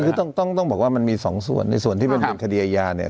คือต้องต้องบอกว่ามันมีสองส่วนในส่วนที่มันเป็นคดีอาญาเนี่ย